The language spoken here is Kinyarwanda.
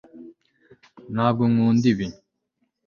ntabwo nkunda ibi